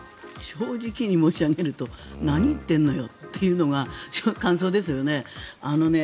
正直に申し上げると何言ってんのよというのが感想ですよね。